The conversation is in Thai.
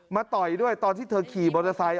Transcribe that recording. มาต่อยด้วยตอนที่เธอขี่บริษัท